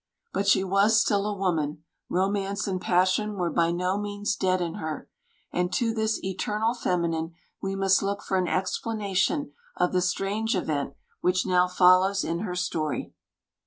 But she was still a woman. Romance and passion were by no means dead in her; and to this "eternal feminine" we must look for an explanation of the strange event which now follows in her story.